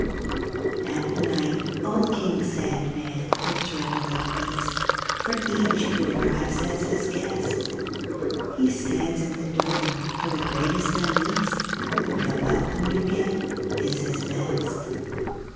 At night old King Sandman holds revel and feast For each who arrives as his guest; He stands at the door for the greatest and least, And the welcome you get is his best.